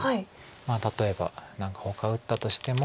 例えば何かほか打ったとしても。